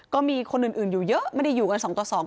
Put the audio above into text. ก็มีคนอื่นอยู่เยอะไม่ได้อยู่กันสองต่อสองคน